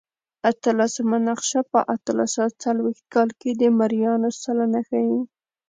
اتلسمه نقشه په اتلس سوه څلوېښت کال کې د مریانو سلنه ښيي.